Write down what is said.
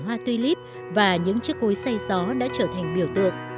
hoa tuy lít và những chiếc cối xay gió đã trở thành biểu tượng